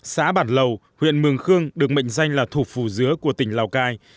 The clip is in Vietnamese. xã bản lầu huyện mường khương được mệnh danh là thủ phủ dứa của tỉnh lào cai